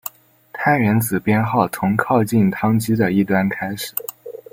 碳原子编号从靠近羰基的一端开始。